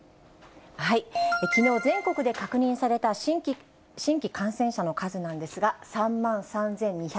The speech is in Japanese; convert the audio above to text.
きのう、全国で確認された新規感染者の数なんですが、３万３２０５人。